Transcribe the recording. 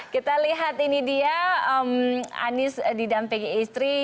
kita lihat ini dia anies didampingi istri